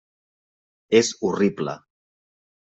És horrible.